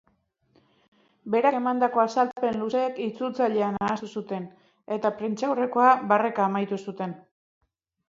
Berak emandako azalpen luzeek itzultzailea nahastu zuten, eta prentsaurrekoa barreka amaitu zuten.